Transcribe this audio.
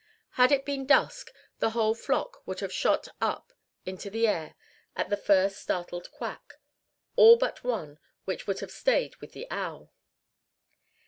Had it been dusk, the whole flock would have shot up into the air at the first startled quack all but one, which would have stayed with the owl.